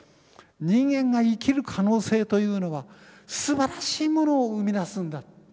人間が生きる可能性というのはすばらしいものを生み出すんだ。